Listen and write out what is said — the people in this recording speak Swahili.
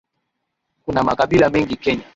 Kuna makabila mengi kenya